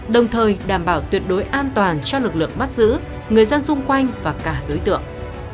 đồng thời đảm bảo tuyệt đối an toàn cho lực lượng bắt giữ người dân xung quanh và cả đối tượng